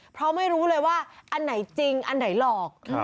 เพราะไม่รู้เลยว่าอันไหนจริงอันไหนหลอก